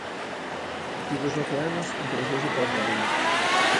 A partir dos doce anos interesouse polas matemáticas.